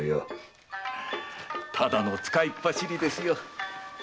ただの使い走りですよ。